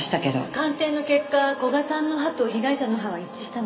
鑑定の結果古賀さんの歯と被害者の歯は一致したの。